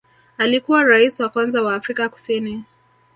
Alikuwa rais wa kwanza wa Afrika Kusini